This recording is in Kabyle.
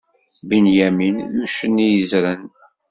Binyamin, d uccen i yezzren.